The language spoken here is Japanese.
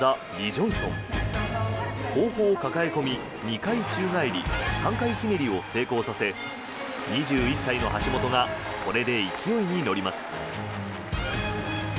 ジョンソン後方かかえ込み２回宙返り３回ひねりを成功させ２１歳の橋本がこれで勢いに乗ります。